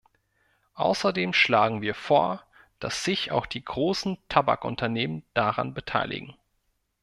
Außerdem schlagen wir vor, dass sich auch die großen Tabakunternehmen daran beteiligen.